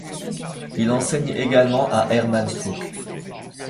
Il enseigne également à Hermann Struck.